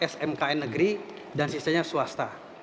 smkn negeri dan sisanya swasta